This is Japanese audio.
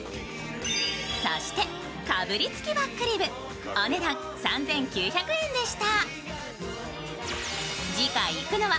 そして、かぶりつきバックリブお値段３９００円でした。